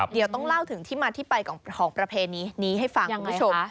เดี๋ยวต้องเล่าถึงที่มาที่ไปของประเพณีนี้ให้ฟังคุณผู้ชม